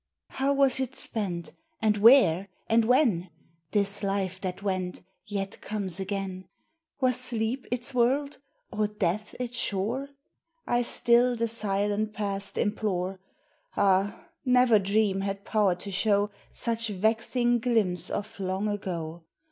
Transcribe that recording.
How was it spent? and where? and when? This life that went, yet comes again ? Was sleep its world, or death its shore ? I still the silent Past implore. Ah ! never dream had power to show Such vexing glimpse of Long Ago.